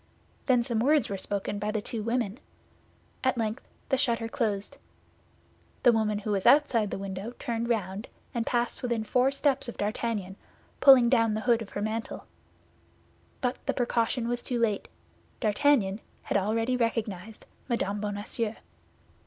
Then some words were spoken by the two women. At length the shutter closed. The woman who was outside the window turned round, and passed within four steps of D'Artagnan, pulling down the hood of her mantle; but the precaution was too late, D'Artagnan had already recognized Mme. Bonacieux.